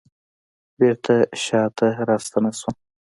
بیرته شاته راستنه شوم